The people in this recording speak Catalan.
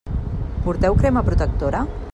Porteu crema protectora?